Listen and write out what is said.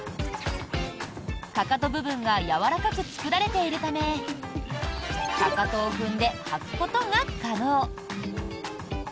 かかと部分がやわらかく作られているためかかとを踏んで履くことが可能。